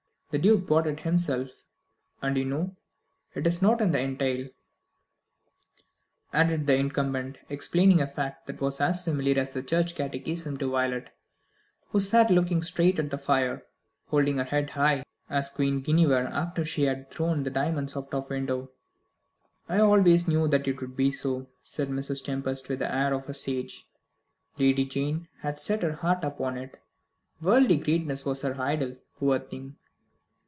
The Duke bought it himself, you know, and it is not in the entail," added the incumbent, explaining a fact that was as familiar as the church catechism to Violet, who sat looking straight at the fire, holding her head as high as Queen Guinevere after she had thrown the diamonds out of window. "I always knew that it would be so," said Mrs. Tempest, with the air of a sage. "Lady Jane had set her heart upon it. Worldly greatness was her idol, poor thing!